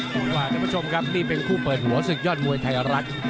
บอกว่าท่านผู้ชมครับนี่เป็นคู่เปิดหัวศึกยอดมวยไทยรัฐ